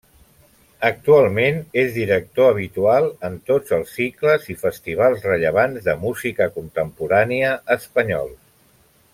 Actualment és director habitual en tots els cicles i festivals rellevants de música contemporània espanyols.